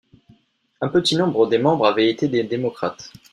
Un petit nombre des membres avaient été des démocrates.